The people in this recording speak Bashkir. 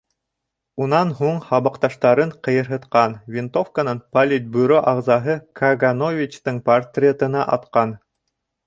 Унан һуң һабаҡташтарын ҡыйырһытҡан, винтовканан политбюро ағзаһы Кагановичтың портретына атҡан.